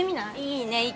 いいね。